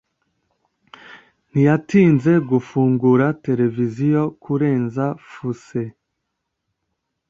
ntiyatinze gufungura televiziyo kurenza fuse.